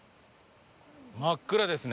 真っ暗ですね